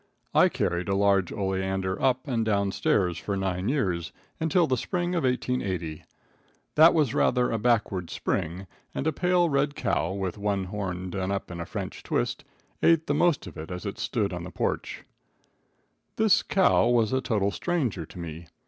I carried a large Ole Andor up and down stairs for nine years, until the spring of 1880. That was rather a backward spring, and a pale red cow, with one horn done up in a French twist, ate the most of it as it stood on the porch. [Illustration: CARRYING OUT THE OLE ANDER.] This cow was a total stranger to me.